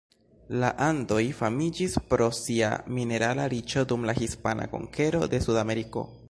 La Andoj famiĝis pro sia minerala riĉo dum la Hispana konkero de Sudameriko.